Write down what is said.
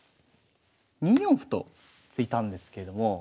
２四歩と突いたんですけれども。